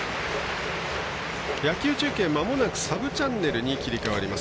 野球中継まもなくサブチャンネルに切り替わります。